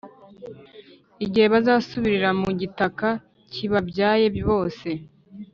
igihe bazasubirira mu gitaka kibabyaye bose.